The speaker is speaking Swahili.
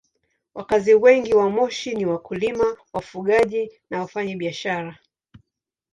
Wakazi wengi wa Moshi ni wakulima, wafugaji na wafanyabiashara.